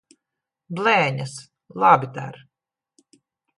Blēņas! Labi der.